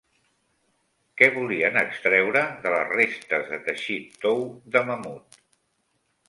Què volien extreure de les restes de teixit tou de mamut?